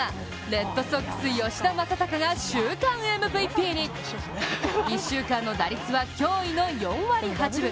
レッドソックス・吉田正尚が週間ＭＶＰに１週間の打率は驚異の４割８分。